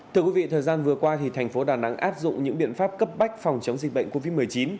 thưa quý vị thời gian vừa qua thành phố đà nẵng áp dụng những biện pháp cấp bách phòng chống dịch bệnh covid một mươi chín